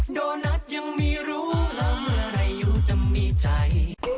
โดนัทยังไม่รู้แล้วเมื่อไรโยจะมีใจ